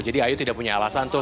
jadi ayu tidak punya alasan tuh